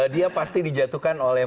dia pasti dijatuhkan oleh